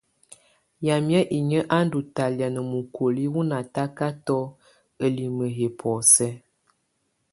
Yamɛ̀á inyǝ́ á ndù talɛ̀á na mukoliǝ wù natakatɔ ǝlimǝ yɛ bɔ̀ósɛ.